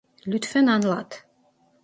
Lütfen anlat.